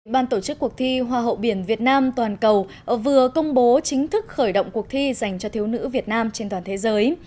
ban tổ chức cuộc thi hoa hậu biển việt nam toàn cầu vừa công bố chính thức khởi động cuộc thi dành cho thiếu nữ việt nam trên toàn thế giới